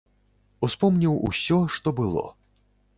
Успомніў усё, што было.